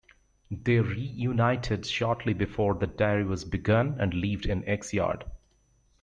They reunited shortly before the Diary was begun and lived in Axe Yard.